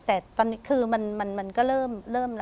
แต่ตอนนี้คือมันก็เริ่มแล้ว